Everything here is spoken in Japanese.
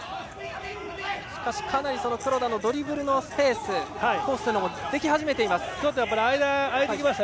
しかしかなり黒田のドリブルのスペースコースというのも間が空いてきました。